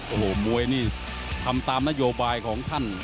โอ้โหมวยนี่ทำตามนโยบายของท่าน